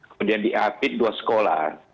kemudian di apit dua sekolah